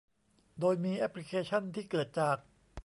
โดยมีแอปพลิเคชั่นที่เกิดจาก